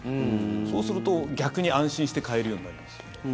そうすると逆に安心して買えるようになります。